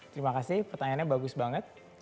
terima kasih pertanyaannya bagus banget